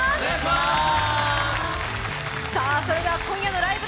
それでは今夜の「ライブ！